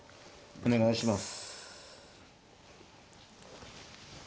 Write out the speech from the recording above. お願いします。